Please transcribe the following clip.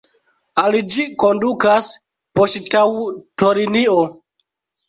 Al ĝi kondukas poŝtaŭtolinio.